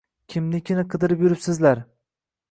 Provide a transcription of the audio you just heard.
– Kimnikini qidirib yuribsizlar?